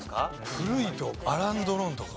古いとアラン・ドロンとか。